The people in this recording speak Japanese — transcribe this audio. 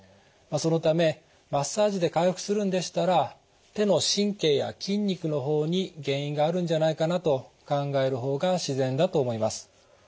そのためマッサージで回復するんでしたら手の神経や筋肉の方に原因があるんじゃないかなと考える方が自然だと思います。